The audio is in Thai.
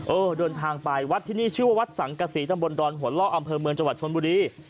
เดินทางไปวัดที่นี่ชื่อว่าวัดสังกษีตำบลดอนหัวล่ออำเภอเมืองจังหวัดชนบุรี